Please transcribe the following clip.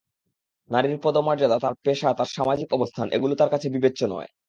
নারীর পদমর্যাদা, তাঁর পেশা, তাঁর সামাজিক অবস্থান এগুলো তার কাছে বিবেচ্য নয়।